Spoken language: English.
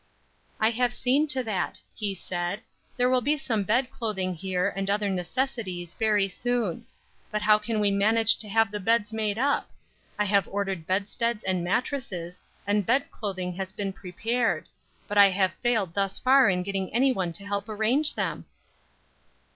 "I have seen to that," he said; "there will be some bed clothing here, and other necessaries very soon; but how can we manage to have the beds made up? I have ordered bedsteads and mattresses, and bed clothing has been prepared; but I have failed thus far in getting anyone to help arrange them?"